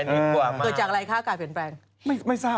อุ้ยไม่กลัว